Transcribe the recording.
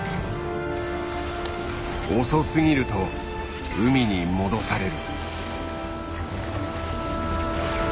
遅すぎると海に戻される。